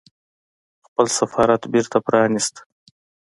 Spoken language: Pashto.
خپل سفارت بېرته پرانيست